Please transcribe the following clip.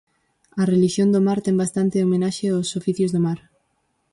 A relixión do mar ten bastante de homenaxe aos oficios do mar.